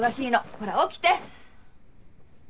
ほら起きて！